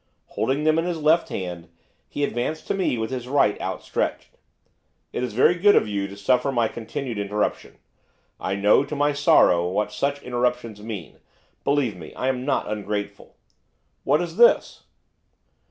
Holding them in his left hand, he advanced to me with his right outstretched. 'It is very good of you to suffer my continued interruption; I know, to my sorrow, what such interruptions mean, believe me, I am not ungrateful. What is this?